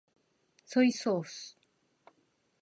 ソイソース